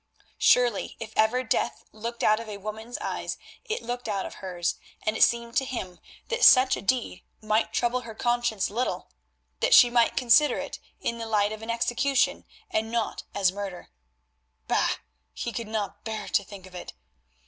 Surely, if ever Death looked out of a woman's eyes it looked out of hers, and it seemed to him that such a deed might trouble her conscience little; that she might consider it in the light of an execution, and not as a murder. Bah! he could not bear to think of it.